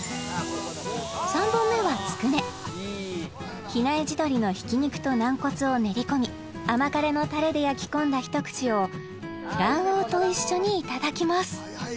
３本目はつくね比内地鶏のひき肉と軟骨を練り込み甘辛のたれで焼き込んだ一串を卵黄と一緒にいただきます